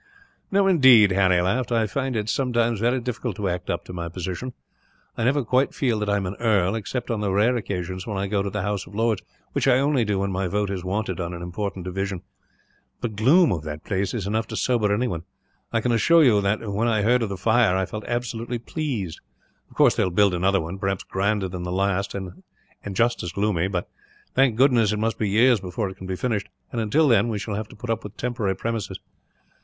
"No, indeed," Harry laughed. "I find it, sometimes, very difficult to act up to my position. I never quite feel that I am an earl, except on the rare occasions when I go to the House of Lords which I only do when my vote is wanted, on an important division. "The gloom of that place is enough to sober anyone. I can assure you that, when I heard of the fire, I felt absolutely pleased. Of course, they will build another one, perhaps grander than the last, and as gloomy but, thank goodness, it must be years before it can be finished and, until then, we shall have to put up with temporary premises.